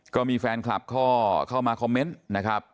ก็มีแฟนคลับก็เข้ามาคอมเมนต์นะครับ